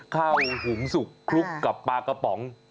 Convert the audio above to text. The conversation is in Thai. หุงสุกคลุกกับปลากระป๋อง